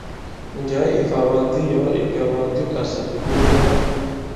Njɛ̀ɛ ì ìfàyàk di i yɔ̀ɔ ìkɛ̀ɛ̀wàk di i Ikàsà ì ɓewe la bâm!